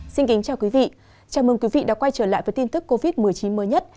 xin kính chào quý vị chào mừng quý vị đã quay trở lại với tin tức covid một mươi chín mới nhất